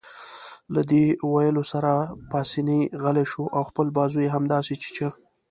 له دې ویلو سره پاسیني غلی شو او خپل بازو يې همداسې چیچه.